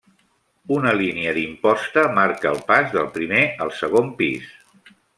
Una línia d'imposta marca el pas del primer al segon pis.